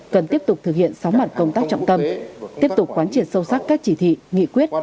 cần tiếp tục thực hiện sáu mặt công tác trọng tâm tiếp tục quán triệt sâu sắc các chỉ thị nghị quyết